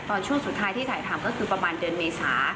ช่วงสุดท้ายที่ถ่ายทำก็คือประมาณเดือนเมษา